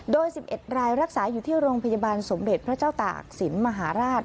โดย๑๑รายรักษาอยู่ที่โรงพยาบาลสมเด็จพระเจ้าตากศิลป์มหาราช